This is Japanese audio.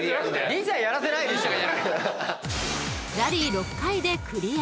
［ラリー６回でクリア］